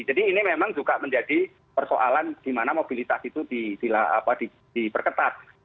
jadi ini memang juga menjadi persoalan di mana mobilitas itu diperketat